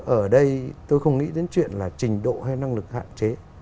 ở đây tôi không nghĩ đến chuyện là trình độ hay năng lực hạn chế